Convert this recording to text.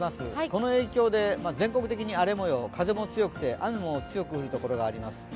この影響で全国的に荒れもよう、風も強くて、雨も強く降るところがあります。